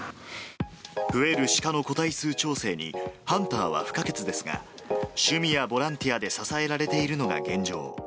増えるシカの個体数調整にハンターは不可欠ですが、趣味やボランティアで支えられているのが現状。